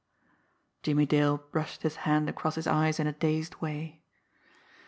Jimmie Dale brushed his hand across his eyes in a dazed way.